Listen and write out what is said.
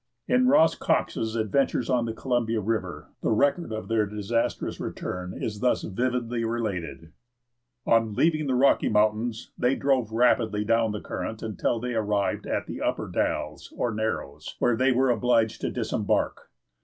In Ross Cox's Adventures on the Columbia River the record of their disastrous return is thus vividly related: "On leaving the Rocky Mountains, they drove rapidly down the current until they arrived at the Upper Dalles, or narrows, where they were obliged to disembark.